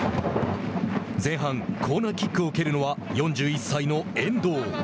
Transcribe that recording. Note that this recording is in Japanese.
前半、コーナーキックを蹴るのは４１歳の遠藤。